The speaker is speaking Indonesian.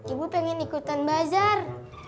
ibu pingin ikutan bazar